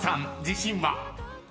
自信は？］